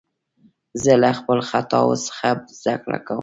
زه له خپلو خطاوو څخه زدکړه کوم.